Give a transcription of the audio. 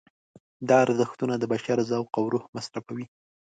دا ارزښتونه د بشر ذوق او روح مصرفوي.